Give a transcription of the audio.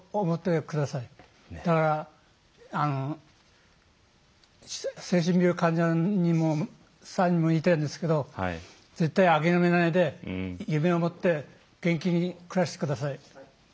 だから精神病患者さんにも言いたいんですけど絶対諦めないで夢を持って元気に暮らしてください。